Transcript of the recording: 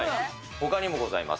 ほかにもございます。